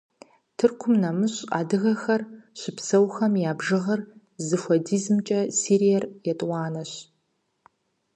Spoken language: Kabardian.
Тыркум нэмыщӀ адыгэхэр щыпсэухэм я бжыгъэр зыхуэдизымкӀэ Сириер етӀуанэщ.